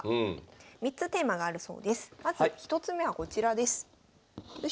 ３つテーマがあるそうです。